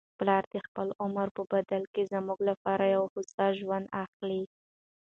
پلار د خپل عمر په بدل کي زموږ لپاره یو هوسا ژوند اخلي.